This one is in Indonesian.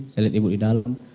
saya lihat ibu di dalam